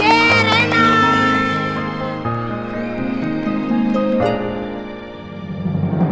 sekolah ajar riziad